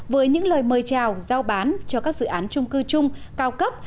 với những lời mời chào giao bán cho các dự án trung cư chung cao cấp